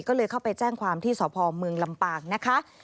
ก็เลยเข้าไปแจ้งความที่สพเมืองลำปางนะคะ